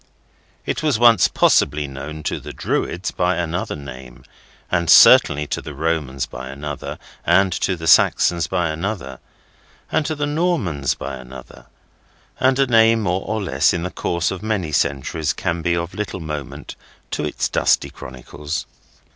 It was once possibly known to the Druids by another name, and certainly to the Romans by another, and to the Saxons by another, and to the Normans by another; and a name more or less in the course of many centuries can be of little moment to its dusty chronicles.